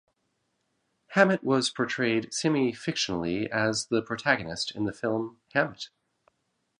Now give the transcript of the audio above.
Hammett was portrayed semi-fictionally as the protagonist in the film "Hammett".